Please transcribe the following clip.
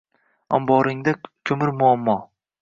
Omboringda koʼmir muammo